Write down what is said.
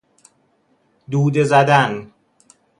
دوده زدن